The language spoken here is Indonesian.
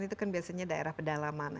itu kan biasanya daerah pedalaman